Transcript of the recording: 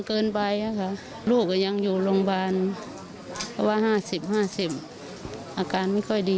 เกินไปค่ะลูกยังอยู่โรงบาลว่าห้าสิบห้าสิบอาการไม่